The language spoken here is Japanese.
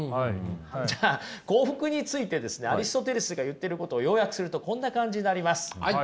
じゃあ幸福についてですねアリストテレスが言ってることを要約するとこんな感じになります。